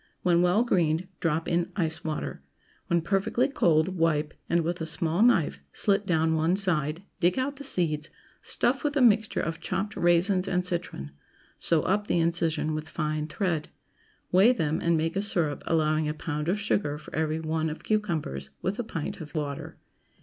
When well greened, drop in ice water. When perfectly cold, wipe, and with a small knife slit down one side; dig out the seeds; stuff with a mixture of chopped raisins and citron; sew up the incision with fine thread. Weigh them, and make a syrup, allowing a pound of sugar for every one of cucumbers, with a pint of water.